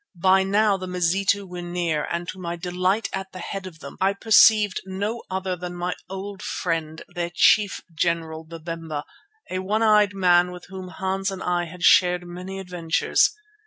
By now the Mazitu were near, and to my delight at the head of them I perceived no other than my old friend, their chief general, Babemba, a one eyed man with whom Hans and I had shared many adventures.